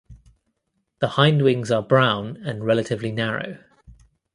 The hindwings are brown and relatively narrow.